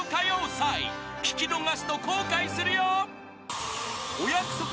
［聴き逃すと後悔するよ］